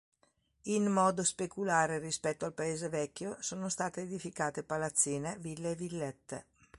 In modo speculare rispetto al paese “vecchio” sono state edificate palazzine, ville e villette.